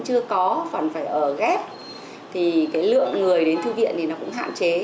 chưa có còn phải ở ghép thì cái lượng người đến thư viện thì nó cũng hạn chế